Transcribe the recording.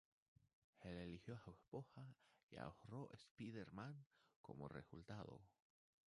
Él eligió a su esposa y ahorró Spider-Man como resultado.